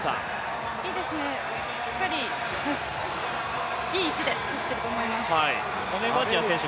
いいですね、しっかりいい位置で走っていると思います。